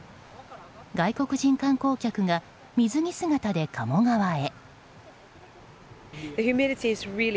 外国人観光客が水着姿で鴨川へ。